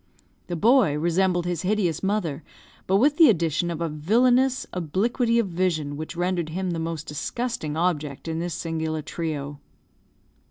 The boy resembled his hideous mother, but with the addition of a villanous obliquity of vision which rendered him the most disgusting object in this singular trio.